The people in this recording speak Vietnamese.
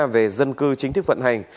về dân cư chính thức vận hành